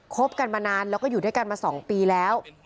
บกันมานานแล้วก็อยู่ด้วยกันมา๒ปีแล้ว